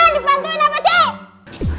dibantuin apa sih